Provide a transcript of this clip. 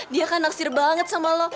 dia kan nafsir banget sama lo